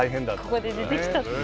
ここで出てきたと。